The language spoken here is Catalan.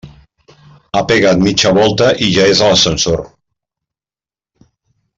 Ha pegat mitja volta i ja és a l'ascensor.